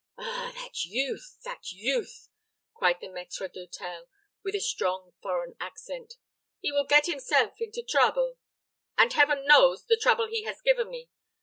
"Ah, that youth, that youth," cried the maître d'hôtel, with a strong foreign accent. "He will get himself into trouble, and Heaven knows the trouble he has given me.